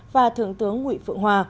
và thượng tướng nguyễn phượng hòa